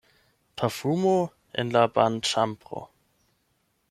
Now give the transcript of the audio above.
Parfumo en la banĉambro.